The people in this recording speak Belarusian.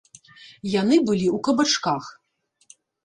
Яны былі ў кабачках!